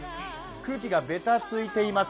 空気がベタついています。